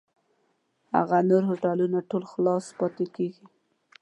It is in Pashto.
هغه نور هوټلونه ټول کال خلاص پاتېږي.